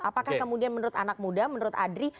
apakah kemudian menurut anak muda menurut adri